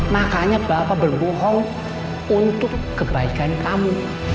makanya bapak berbohong untuk kebaikan kamu